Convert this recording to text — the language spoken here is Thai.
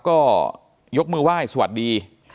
ก็ยกมือไหว้สวัสดี